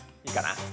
いいかな？